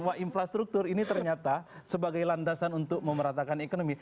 bahwa infrastruktur ini ternyata sebagai landasan untuk memeratakan ekonomi